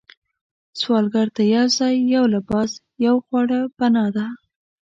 سوالګر ته یو ځای، یو لباس، یو خواړه پناه ده